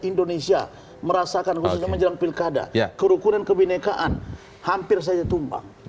indonesia merasakan berusaha menjelang pilkada ya kerukunan kebenekaan hampir saja tumbang oke ini